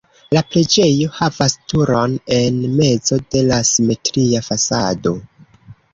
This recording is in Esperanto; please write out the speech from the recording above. La preĝejo havas turon en mezo de la simetria fasado.